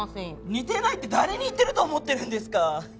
似てないって誰に言ってると思ってるんですか。